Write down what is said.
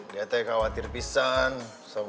dia teh khawatir pisang